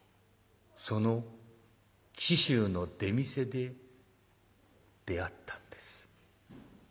「その紀州の出店で出会ったんです」。